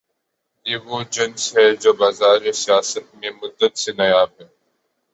یہ وہ جنس ہے جو بازار سیاست میں مدت سے نایاب ہے۔